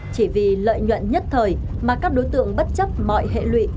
chỉ vì lợi nhuận nhất thời mà các đối tượng bất chấp mọi hệ lụy